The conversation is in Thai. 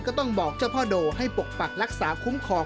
ก็ต้องบอกเจ้าพ่อโดให้ปกปักรักษาคุ้มครอง